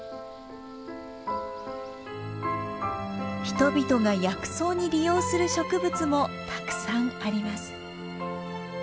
人々が薬草に利用する植物もたくさんあります。